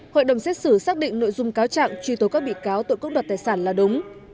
hội đồng xét xử xác định nội dung cáo trạng truy tố các bị cáo tội cưỡng đoạt tài sản là đúng